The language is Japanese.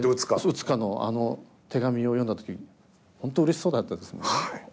討つかのあの手紙を読んだ時本当うれしそうだったですよね。